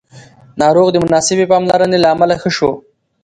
ناروغ د مناسبې پاملرنې له امله ښه شو